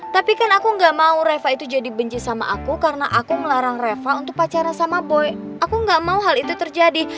tapi kan aku gak mau reva itu jadi benci sama aku karena aku melarang reva untuk pacara sama boy aku gak mau hal itu terjadi